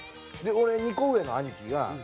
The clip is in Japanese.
俺２個上の兄貴が。